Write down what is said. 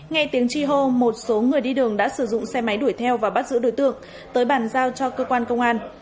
nghe tiếng chi hô một số người đi đường đã sử dụng xe máy đuổi theo và bắt giữ đối tượng tới bàn giao cho cơ quan công an